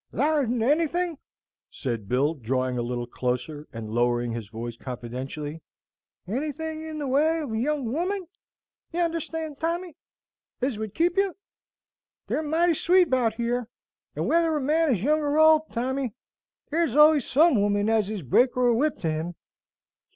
"Thar isn't ennything," said Bill, drawing a little closer, and lowering his voice confidentially, "ennything in the way of a young woman you understand, Tommy ez would keep you? They're mighty sweet about here; and whether a man is young or old, Tommy, there's always some woman as is brake or whip to him!"